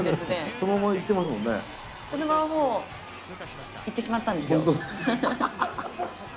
そのままもう行ってしまったんですよ。